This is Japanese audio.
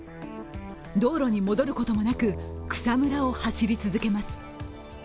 道路に戻ることもなく、草むらを走り続けます。